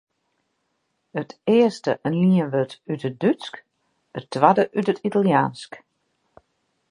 It earste in lienwurd út it Dútsk, it twadde út it Italiaansk.